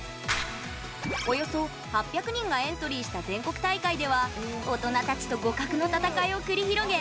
およそ８００人がエントリーした全国大会では大人たちと互角の戦いを繰り広げ